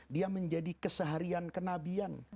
dia menjadi keseharian kenabian